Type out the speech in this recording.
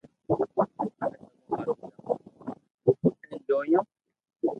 امي تمو ھارون جآوو ھون ھين جيويو